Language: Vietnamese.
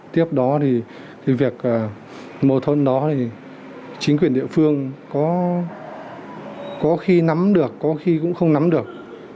tiếp đó thì việc mâu thuẫn đó thì chính quyền địa phương có khi nắm được có khi cũng không nắm được